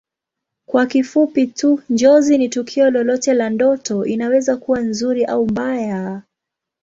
Kwa kifupi tu Njozi ni tukio lolote la ndoto inaweza kuwa nzuri au mbaya